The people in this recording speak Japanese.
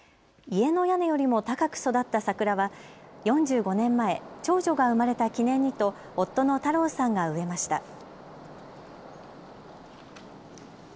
家の屋根よりも高く育った桜は４５年前、長女が生まれた記念にと夫の太郎さんが植えました。